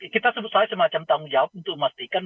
kita selalu semacam tanggung jawab untuk memastikan